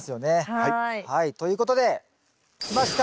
はいということできました！